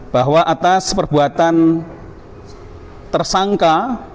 bahwa atas perbuatan tersangka